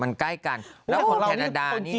มันใกล้กันแล้วคนแคนาดานี่